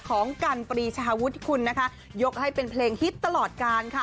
ของกันปรีชาวุฒิคุณนะคะยกให้เป็นเพลงฮิตตลอดการค่ะ